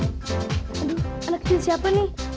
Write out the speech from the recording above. aduh anak kecil siapa nih